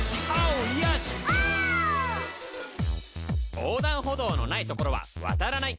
横断歩道のないところは渡らない！